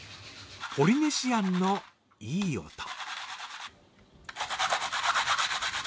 ポリネシアンのいい音。